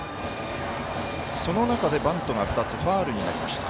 その中でバントが２つファウルになりました。